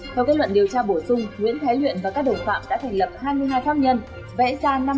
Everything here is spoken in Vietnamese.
theo kết luận điều tra bổ sung nguyễn thái luyện và các đồng phạm đã thành lập hai mươi hai pháp nhân vẽ ra